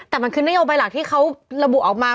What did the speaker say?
แต่มันคือนโยบายหลักที่เขาระบุออกมา